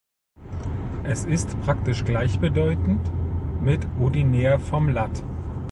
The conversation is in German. Es ist praktisch gleichbedeutend mit "ordinär" vom lat.